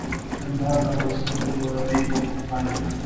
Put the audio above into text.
کندهار د افغانستان د جغرافیایي موقیعت پایله ده.